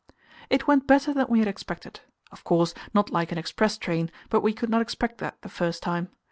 It went better than we had expected; of course, not like an express train, but we could not expect that the first time.